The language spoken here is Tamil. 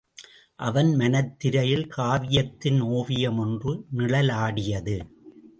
அவன் மனத்திரையில் காவியத்தின் ஒவியம் ஒன்று நிழலாடியது.